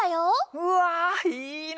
うわいいな！